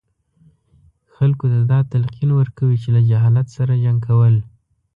خلکو ته دا تلقین ورکوي چې له جهالت سره جنګ کول.